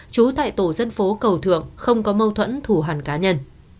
chú tại tổ dân phố cầu thượng không có mâu thuẫn thù hàn cá nhân